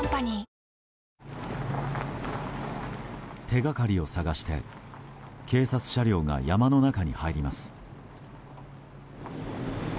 手掛かりを探して警察車両が山の中に入ります。